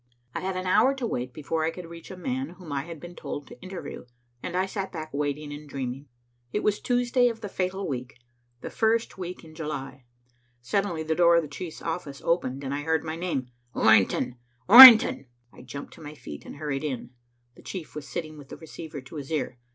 I had an hour to wait before I could reach a man whom I had been told to interview, and I sat back waiting and dreaming. It was Tuesday of the fatal week, the first week in July. Suddenly the door of the chief's office opened, and I heard my name. "Orrington! Orrington!" I jumped to my feet and hurried in. The chief was sitting with the receiver to his ear.